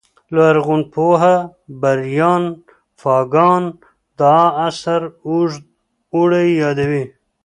لرغونپوه بریان فاګان دا عصر اوږد اوړی یادوي